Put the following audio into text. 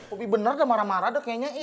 lebih bener dah marah marah dah kayaknya iiih